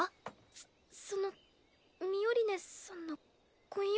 そそのミオリネさんの婚約者。